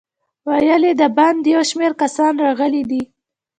ویل یې د باندې یو شمېر کسان راغلي دي.